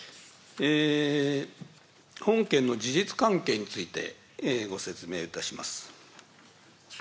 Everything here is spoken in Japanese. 本件の事実関係について、ご説明いたします。